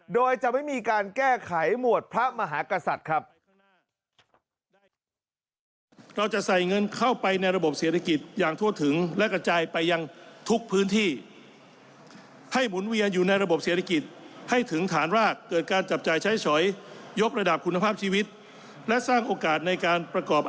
โดยจะไม่มีการแก้ไขหมวดพระมหากษัตริย์ครับ